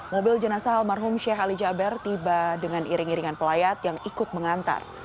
mobil jenazah almarhum sheikh ali jaber tiba dengan iring iringan pelayat yang ikut mengantar